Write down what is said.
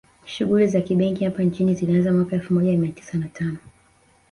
Shughuli za kibenki hapa nchini zilianza mwaka elfu moja mia tisa na tano